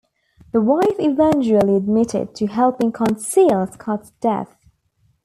The wife eventually admitted to helping conceal Scott's death.